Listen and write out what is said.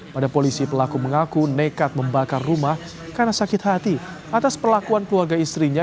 pada polisi pelaku mengaku nekat membakar rumah karena sakit hati atas perlakuan keluarga istrinya